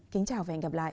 kính chào và hẹn gặp lại